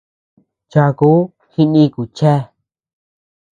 Cháku jinikuy chéa.